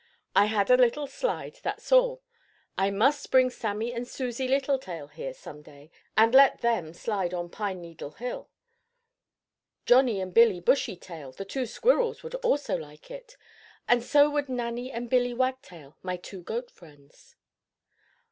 "I had a little slide, that's all. I must bring Sammie and Susie Littletail here some day, and let them slide on pine needle hill. Johnnie and Billie Bushytail, the two squirrels, would also like it, and so would Nannie and Billie Wagtail, my two goat friends."